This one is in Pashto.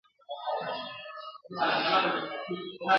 چي په شپه د پسرلي کي به باران وي !.